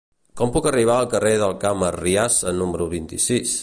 Com puc arribar al carrer del Camp Arriassa número vint-i-sis?